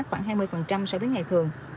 khoảng hai mươi so với ngày thường